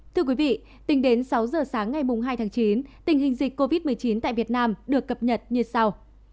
thưa quý vị tính đến sáu giờ sáng ngày hai tháng chín tình hình dịch covid một mươi chín tại việt nam được cập nhật như sau